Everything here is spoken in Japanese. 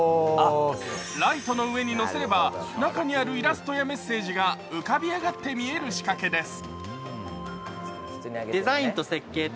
ライトの上にのせれば中にあるイラストやメッセージが浮かび上がって見える仕掛けです。